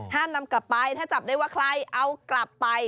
นำกลับไปถ้าจับได้ว่าใครเอากลับไป